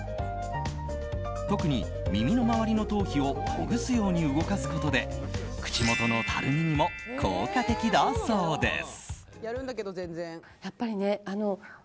特に、耳の周りの頭皮をほぐすように動かすことで口元のたるみにも効果的だそうです。